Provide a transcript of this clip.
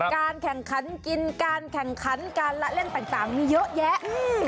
การแข่งขันกินการแข่งขันการละเล่นต่างมีเยอะแยะ